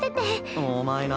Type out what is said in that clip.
お前な。